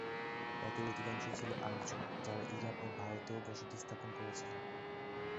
এদের অধিকাংশই ছিল আর্য, যারা ইরান ও ভারতেও বসতি স্থাপন করেছিল।